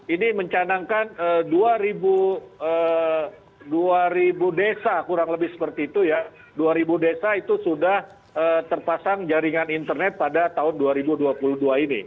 ini mencanangkan dua ribu desa kurang lebih seperti itu ya dua ribu desa itu sudah terpasang jaringan internet pada tahun dua ribu dua puluh dua ini